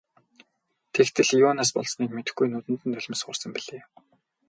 Тэгтэл юунаас болсныг мэдэхгүй нүдэнд нь нулимс хурсан билээ.